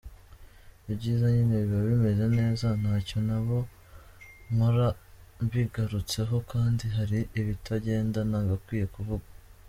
Ibyiza nyine biba bimeze neza ntacyo naba nkora mbigarutseho kandi hari ibitagenda nagakwiye kuvuga”.